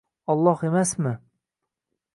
Olloh emasmi?